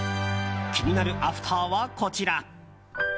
気になるアフターは、こちら。